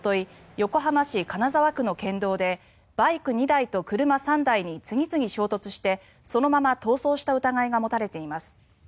横浜市金沢区の県道でバイク２台と車３台に次々衝突してそのまま逃走した疑いが持たれています。